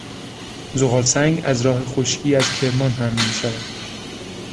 زغال سنگ از راه خشکی از کرمان حمل میشود.